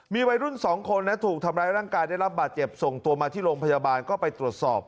มีวัยรุ่น๒คนถูกทำร้ายร่างกายได้รับบาดเจ็บส่งตัวมาที่โรงพยาบาลก็ไปตรวจสอบ